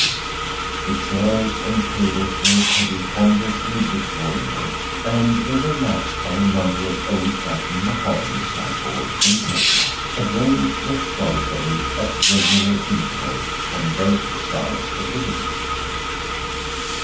The chairs and tables were of heavy, ponderous, mid Victorian make, and they were matched by a number of old fashioned mahogany sideboards and presses, arranged methodically at regular intervals on both sides of the room.